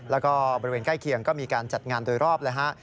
แล้วก็บริเวณใกล้เคียงก็มีการจัดงานโดยรอบเลยฮะ